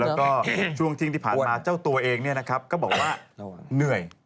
แล้วก็ช่วงเที่ยงที่ผ่านมาเจ้าตัวเองก็บอกว่าเหนื่อย